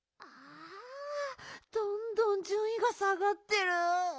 どんどんじゅんいが下がってる。